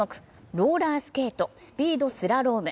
ローラースケート、スピードスラローム。